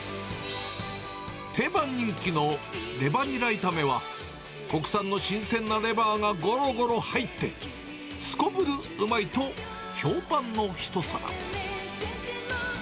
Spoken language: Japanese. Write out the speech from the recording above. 定番人気のレバニラ炒めは、国産の新鮮なレバーがごろごろ入って、すこぶるうまいと評判の一皿。